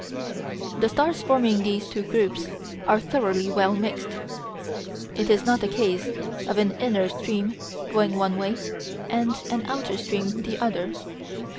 The stars forming these two groups are thoroughly well mixed; it is not a case of an inner stream going one way and an outer stream the other.